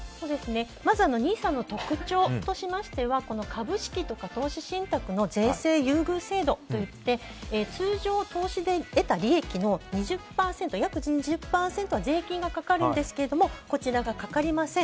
まず、ＮＩＳＡの特徴としましては株式とか投資信託の税制優遇制度といって通常、投資で得た利益の約２０％は税金がかかるんですがこちらがかかりません。